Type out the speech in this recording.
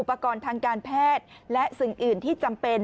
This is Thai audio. ประกอบทางการแพทย์และสิ่งอื่นที่จำเป็น